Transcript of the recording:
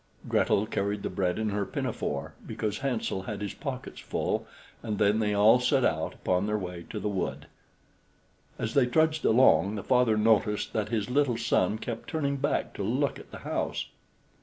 Gretel carried the bread in her pinafore, because Hansel had his pockets full, and then they all set out upon their way to the wood. As they trudged along, the father noticed that his little son kept turning back to look at the house.